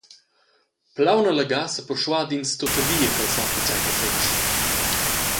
Plaun allaga seperschuad’ins tuttavia ch’el sappi tgei ch’el fetschi.